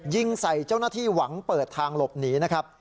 ยิงใส่เจ้าหน้าที่หวังเปิดทางหลบหนีนะครับ